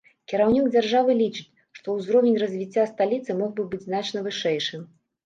Кіраўнік дзяржавы лічыць, што ўзровень развіцця сталіцы мог бы быць значна вышэйшым.